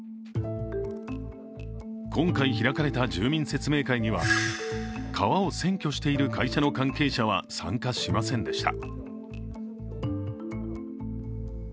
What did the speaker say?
今回開かれた住民説明会には川を占拠している会社の関係者は参加しませんでした。